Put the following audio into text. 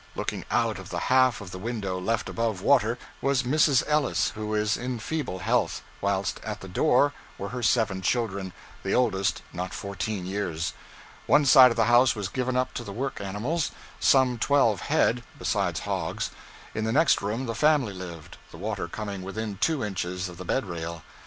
Looking out of the half of the window left above water, was Mrs. Ellis, who is in feeble health, whilst at the door were her seven children, the oldest not fourteen years. One side of the house was given up to the work animals, some twelve head, besides hogs. In the next room the family lived, the water coming within two inches of the bed rail.